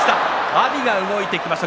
阿炎が動いてきました。